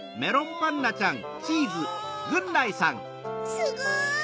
すごい！